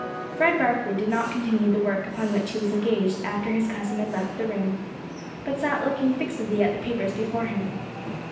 Fred Barkley did not continue the work upon which he was engaged after his cousin had left the room, but sat looking fixedly at the papers before him.